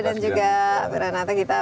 dan juga pirena nata kita